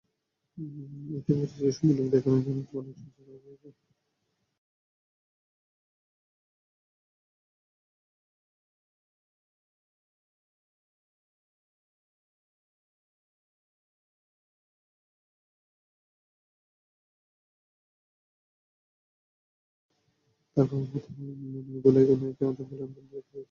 তার বাবার মতে, মানিমেগালাইকে কোনো এক জঙ্গলে বন্দী করে রাখা হয়েছিল।